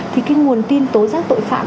thì cái nguồn tin tối giác tội phạm